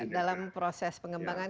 dalam proses pengembangan